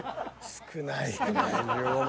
少ない。